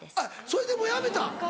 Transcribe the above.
それでもうやめた？